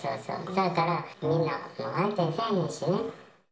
せやから、みんな相手にせえへんしね。